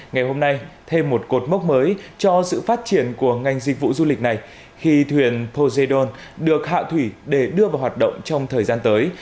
ngày hôm nay thêm một cột mốc mới cho sự phát triển của ngành dịch vụ du lịch này khi thuyền pojedon được hạ thủy để đưa vào hoạt động trong thời gian tới